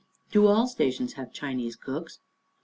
Do all stations have Chinese cooks?